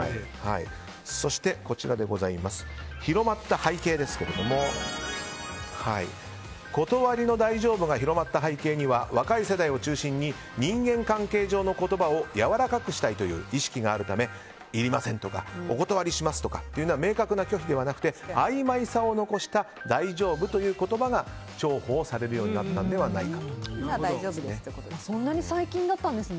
そして、広まった背景ですが断りの大丈夫が広まった背景には若い世代を中心に人間関係上の言葉をやわらかくしたいという意識があるためいりませんとかお断りしますとか明確な拒否ではなくてあいまいさを残した大丈夫という言葉が重宝されるようになったのではないかということです。